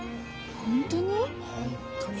本当に？